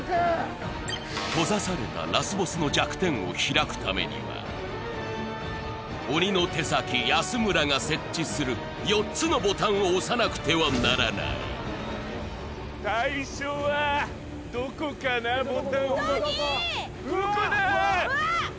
閉ざされたラスボスの弱点を開くためには鬼の手先安村が設置する４つのボタンを押さなくてはならないボタンをどこ？